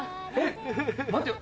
待てよ？